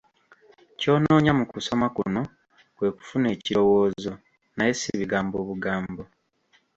Ky'onoonya mu kusoma kuno kwe kufuna ekirowoozo, naye ssi bigambo bugambo.